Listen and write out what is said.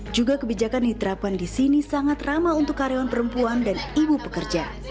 juga kebijakan diterapkan di sini sangat ramah untuk karyawan perempuan dan ibu pekerja